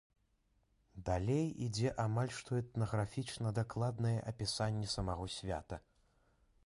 Далей ідзе амаль што этнаграфічна-дакладнае апісанне самога свята.